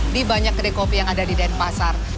di banyak kedai kopi yang ada di denpasar